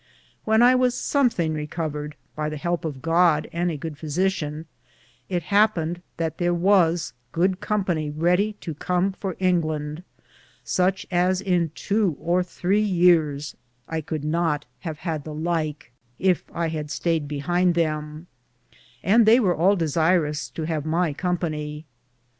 When I was somthinge recovered, by the helpe of God and a good fisition, it hapemed that thar was good Company reddie to com for Inglande, suche as in 2 or 3 years I could not have had the lik, if I had stayed behinde them, and they weare all desierus to have my company.